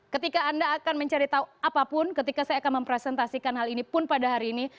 ketika anda akan mencari tahu apapun ketika saya akan mempresentasikan hal ini pun pada hari ini